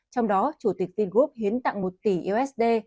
trong đó chủ tịch vingroup hiến tặng một tỷ usd